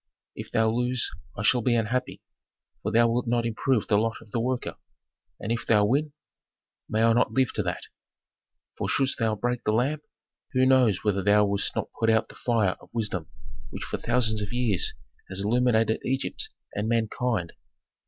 If thou lose I shall be unhappy, for thou wilt not improve the lot of the worker. And if thou win? May I not live to that! for shouldst thou break the lamp, who knows whether thou wouldst not put out the fire of wisdom which for thousands of years has illuminated Egypt and mankind.